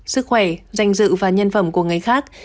sức khỏe danh dự và nhân phẩm của người khác